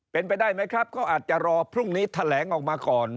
เป็นไปได้ไหมครับก็อาจจะรอพรุ่งนี้แถลงออกมาก่อน